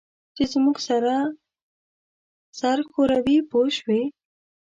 چې زموږ سره سر ښوروي پوه شوې!.